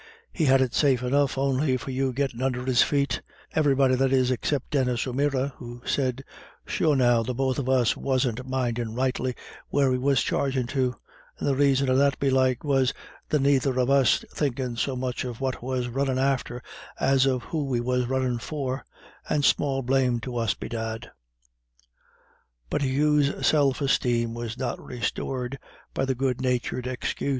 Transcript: He had it safe enough on'y for you gettin' under his feet" everybody, that is, except Denis O'Meara, who said: "Sure now the both of us wasn't mindin' rightly where we was chargin' to; and the raison of that belike was the nayther of us thinkin' so much of what we was runnin' after, as of who we was runnin' for and small blame to us bedad." But Hugh's self esteem was not restored by the good natured excuse.